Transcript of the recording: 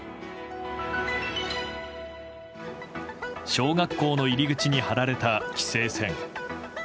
小学校の入り口に張られた規制線。